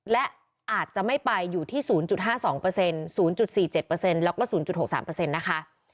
และอาจจะไม่ไปอยู่ที่๐๕๒๐๔๗แล้วก็๐๖๓นะคะ